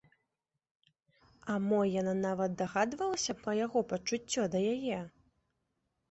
А мо яна нават дагадвалася пра яго пачуццё да яе?